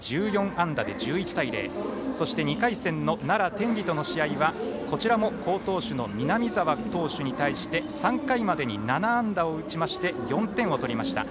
１４安打で１１対０２回戦の奈良、天理との試合は好投手の南澤投手に対して３回までに７安打を打ちまして４点を取りました。